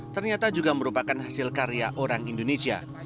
ternyata juga merupakan hasil karya orang indonesia